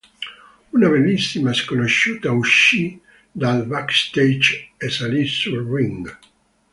Una bellissima sconosciuta uscì dal backstage e salì sul ring.